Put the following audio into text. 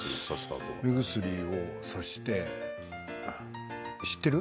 目薬をさして知ってる？